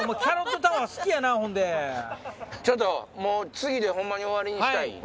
もう次でホンマに終わりにしたい。